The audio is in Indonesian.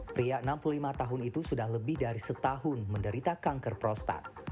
pria enam puluh lima tahun itu sudah lebih dari setahun menderita kanker prostat